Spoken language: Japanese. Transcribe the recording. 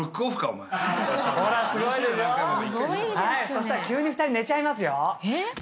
そしたら急に２人寝ちゃいますよ。